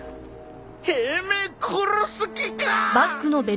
てめえ殺す気か！